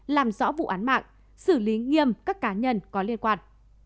làm rõ vụ án mạng xử lý nghiêm các cá nhân có liên quan